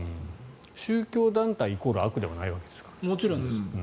宗教団体イコール悪ではないわけですから。